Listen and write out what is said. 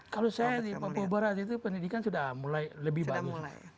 kalau saya di papua barat itu pendidikan sudah mulai lebih bagus